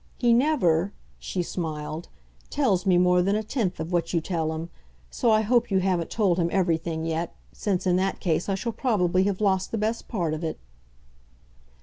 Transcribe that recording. He never," she smiled, "tells me more than a tenth of what you tell him; so I hope you haven't told him everything yet, since in that case I shall probably have lost the best part of it."